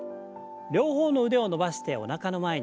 両方の腕を伸ばしておなかの前に。